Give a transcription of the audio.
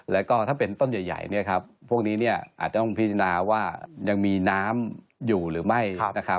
แล้วก็ถ้าเป็นต้นใหญ่พวกนี้อาจจะต้องพิจารณาว่ายังมีน้ำอยู่หรือไม่นะครับ